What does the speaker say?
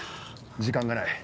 時間がない。